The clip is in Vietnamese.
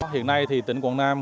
hiện nay tỉnh quảng nam